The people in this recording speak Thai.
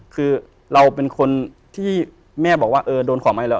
คือเราเป็นคนที่แม่บอกว่าเออโดนของไหมแล้ว